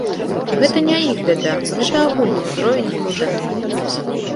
Гэта не іх бяда, гэта агульны ўзровень выкладання.